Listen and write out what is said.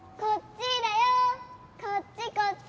こっちこっち！